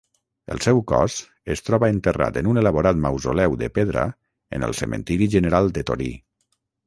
El seu cos es troba enterrat en un elaborat mausoleu de pedra en el cementiri general de Torí.